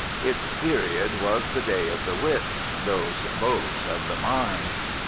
Its period was the day of the "wits" those beaux of the mind.